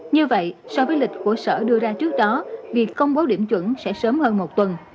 như vậy so với lịch của sở đưa ra trước đó việc công bố điểm chuẩn sẽ sớm hơn một tuần